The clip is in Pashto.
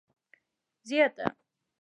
زیاته